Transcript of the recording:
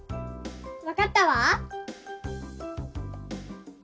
わかったわ！